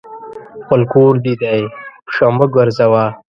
خپل کور دي دی ، پښه مه ګرځوه !